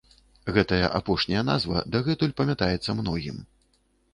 Гэтая апошняя назва дагэтуль памятаецца многім.